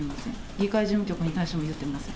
議会事務局に対しても言ってません。